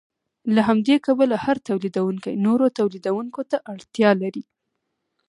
له همدې کبله هر تولیدونکی نورو تولیدونکو ته اړتیا لري